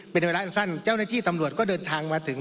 เป็นเวลาสั้นเจ้าหน้าที่ตำรวจก็เดินทางมาถึง